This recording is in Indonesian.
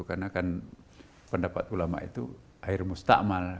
karena kan pendapat ulama itu air musta'mal